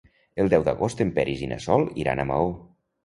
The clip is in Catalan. El deu d'agost en Peris i na Sol iran a Maó.